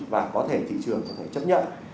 và có thể thị trường có thể chấp nhận